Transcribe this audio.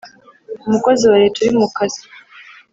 umukozi wa leta uri mu kazi